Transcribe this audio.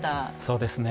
そうですね。